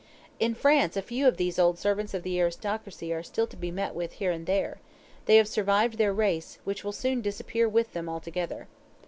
In France a few of these old servants of the aristocracy are still to be met with here and there; they have survived their race, which will soon disappear with them altogether.